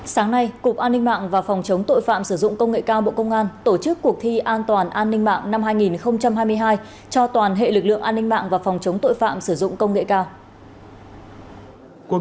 sáng nay cục an ninh mạng và phòng chống tội phạm sử dụng công nghệ cao bộ công an tổ chức cuộc thi an toàn an ninh mạng năm hai nghìn hai mươi hai cho toàn hệ lực lượng an ninh mạng và phòng chống tội phạm sử dụng công nghệ cao